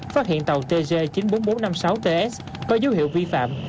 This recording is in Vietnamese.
phát hiện tàu tg chín mươi bốn nghìn bốn trăm năm mươi sáu ts có dấu hiệu vi phạm